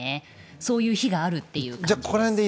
そういう日があるという感じです。